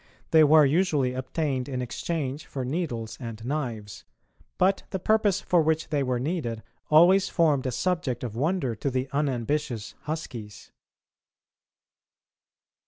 They were usually obtained in exchange for needles and knives, but the purpose for which they were needed always formed a subject of wonder to the unambitious "huskies."